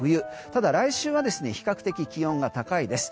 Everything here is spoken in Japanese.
ただ、来週は比較的気温が高いです。